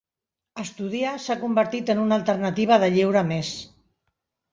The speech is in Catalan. Estudiar s'ha convertit en una alternativa de lleure més.